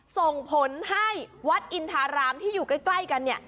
ส่งผลให้วัดอินทารามที่อยู่ใกล้กันเนี่ย